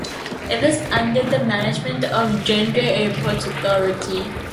It was under the management of the Grenada Airports Authority.